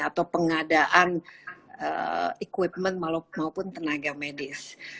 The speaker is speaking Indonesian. atau pengadaan equipment maupun tenaga medis